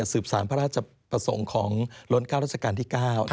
สืบสารพระราชประสงค์ของล้น๙รัชกาลที่๙